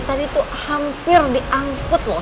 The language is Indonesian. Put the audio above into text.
tadi itu hampir diangkut loh